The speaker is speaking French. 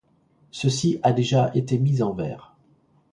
Ceci a déjà été mis en vers.